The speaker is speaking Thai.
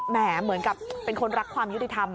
เหมือนกับเป็นคนรักความยุติธรรม